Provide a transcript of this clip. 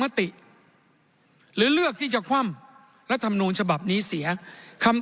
ติหรือเลือกที่จะคว่ำรัฐมนูลฉบับนี้เสียคำ